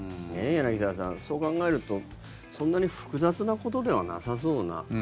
柳澤さん、そう考えるとそんなに複雑なことではなさそうな。